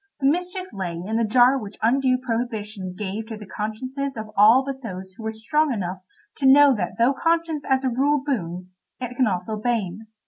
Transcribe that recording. The mischief lay in the jar which undue prohibition gave to the consciences of all but those who were strong enough to know that though conscience as a rule boons, it can also bane.